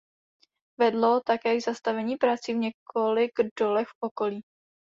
Vedlo také k zastavení prací v několik dolech v okolí.